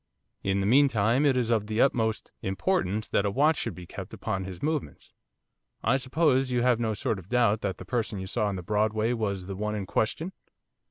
In the meantime it is of the utmost importance that a watch should be kept upon his movements. I suppose you have no sort of doubt that the person you saw in the Broadway was the one in question?